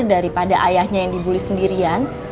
daripada ayahnya yang dibully sendirian